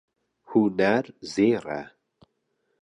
Huner zêr e.